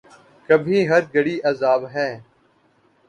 کبھی ہر گھڑی عذاب ہے